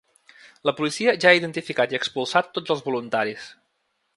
La policia ja ha identificat i expulsat tots els voluntaris.